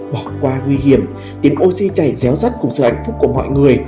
bỏ qua nguy hiểm tiếng oxy chảy déo rắt cùng sự hạnh phúc của mọi người